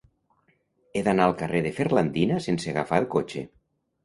He d'anar al carrer de Ferlandina sense agafar el cotxe.